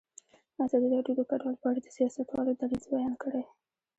ازادي راډیو د کډوال په اړه د سیاستوالو دریځ بیان کړی.